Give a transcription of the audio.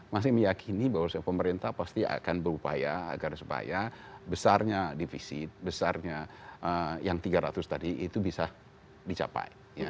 masih meyakini bahwa pemerintah pasti akan berupaya agar supaya besarnya divisi besarnya yang tiga ratus tadi itu bisa dicapai